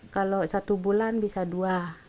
kalau satu bulan bisa dua